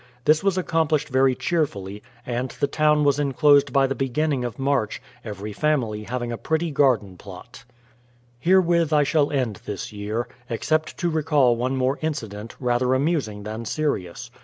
This was accom plished very cheerfully, and the town was enclosed by the beginning of March, every family having a pretty garden plot. Herewith I shall end this year — except to recall one more incident, rather amusing than serious.